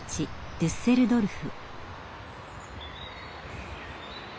デュッセルドルフ。